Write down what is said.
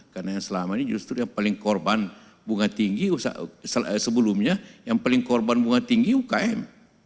karena yang selama ini justru yang paling korban bunga tinggi sebelumnya yang paling korban bunga tinggi ukm